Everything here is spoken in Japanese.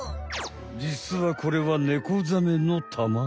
じつはこれはネコザメの卵。